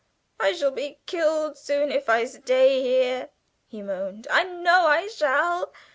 "I shall be killed soon if I stay here," he moaned; "I know I shall.